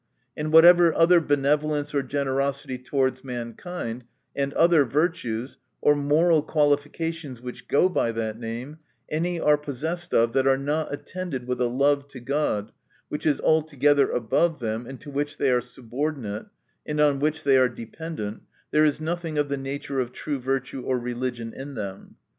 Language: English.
And whatever other benevolence or generosity towards mankind, and other virtues, or moral qualifications which go by that name, any are possessed of, that are not attend ed with a love to God which is altogether above them, and to which they are subordinate, and on which they are dependent, there is nothing of the nature of true virtue or religion in them.